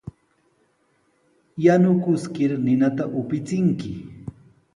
Yanukiskir ninata upichinki.